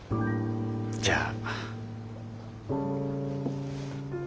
じゃあ。